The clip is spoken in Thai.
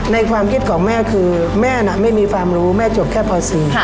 ความคิดของแม่คือแม่น่ะไม่มีความรู้แม่จบแค่ป๔